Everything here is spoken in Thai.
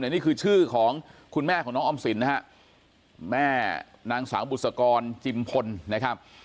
นี่คือชื่อของคุณแม่ของน้องออมสินนะฮะแม่นางสาวบุษกรจิมพลนะครับ